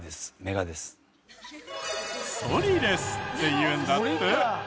ソリレスって言うんだって。